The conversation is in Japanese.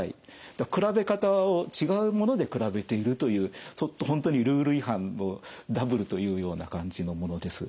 比べ方を違うもので比べているという本当にルール違反のダブルというような感じのものです。